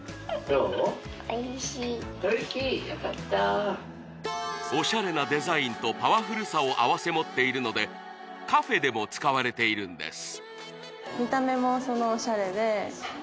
よかったオシャレなデザインとパワフルさを併せ持っているのでカフェでも使われているんです